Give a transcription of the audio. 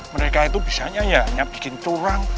mereka itu bisanya ya hanya bikin turang